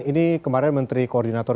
ini kemarin menteri koordinator